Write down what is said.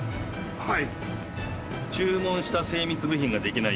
はい！